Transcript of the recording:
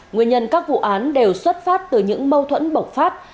nguyên nhân các vụ án đều xuất phát từ những mâu thuẫn bộc phát